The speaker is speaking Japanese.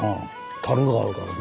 樽があるからね。